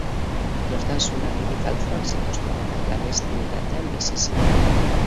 Nortasun agiri faltsuak zituzten eta klandestinitatean bizi ziren.